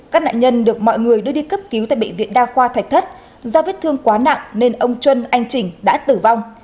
các nạn nhân được mọi người đưa đi cấp cứu tại bệnh viện đa khoa thạch thất do vết thương quá nặng nên ông trân anh trình đã tử vong